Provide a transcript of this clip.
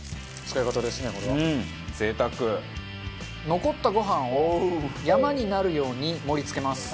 残ったご飯を山になるように盛り付けます。